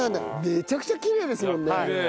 めちゃくちゃきれいですもんね。